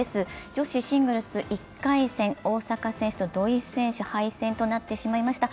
女子シングルス１回戦、大坂選手と土居選手、敗戦となってしまいました。